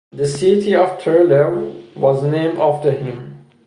The city of Trelew was named after him.